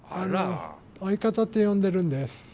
相方って呼んでるんです。